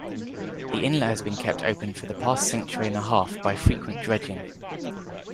The inlet has been kept open for the past century-and-a-half by frequent dredging.